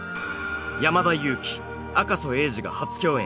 山田裕貴赤楚衛二が初共演